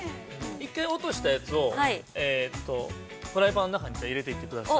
◆１回落としたやつを、フライパンの中に入れていってください。